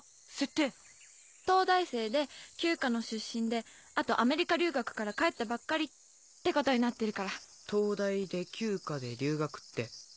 東大生で旧家の出身であとアメリカ留学から帰ったばっかりってことになってるから。東大で旧家で留学って。